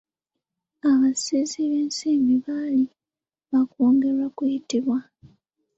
Abasizi b'ensimbi baali bakwongerwa kuyitibwa.